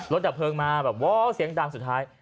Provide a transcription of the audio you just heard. ดับเพลิงมาแบบว้าวเสียงดังสุดท้าย